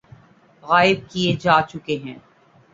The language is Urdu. غائب کئے جا چکے ہیں